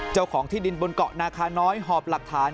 เจ้าของที่ดินบนเกาะนาคาน้อยหอบหลักฐาน